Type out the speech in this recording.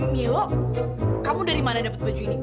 mil kamu dari mana dapet baju ini